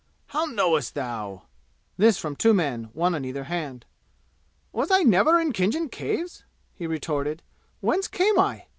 "How knowest thou?" This from two men, one on either hand. "Was I never in Khinjan Caves?" he retorted. "Whence came I?